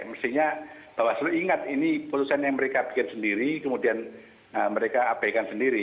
mestinya bawaslu ingat ini putusan yang mereka bikin sendiri kemudian mereka abaikan sendiri